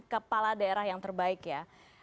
kepala daerah yang terbaik ya